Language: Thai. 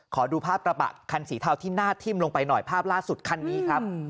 ขอดูภาพกระบะคันสีเทาที่หน้าทิ่มลงไปหน่อยภาพล่าสุดคันนี้ครับ